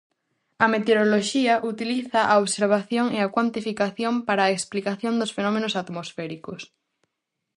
A meteoroloxía utiliza a observación e a cuantificación para a explicación dos fenómenos atmosféricos.